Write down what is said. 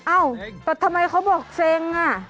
เอ้าแต่ทำไมเขาบอกเซ็งอ่ะ